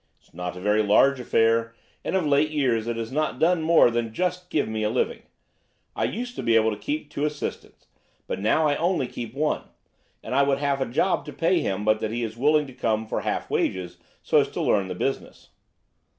It's not a very large affair, and of late years it has not done more than just give me a living. I used to be able to keep two assistants, but now I only keep one; and I would have a job to pay him but that he is willing to come for half wages so as to learn the business."